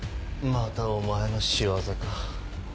またお前の仕業か。